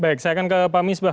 baik saya akan ke pak misbah